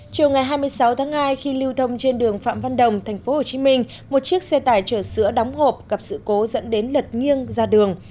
chiều ngày hai mươi sáu tháng hai khi lưu thông trên đường phạm văn đồng tp hcm một chiếc xe tải chở sữa đóng hộp gặp sự cố dẫn đến lật nghiêng ra đường